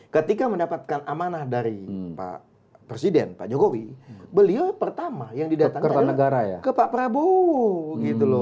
ketika mendapatkan amanah dari pak presiden pak jokowi beliau pertama yang didatangkan ke pak prabowo gitu loh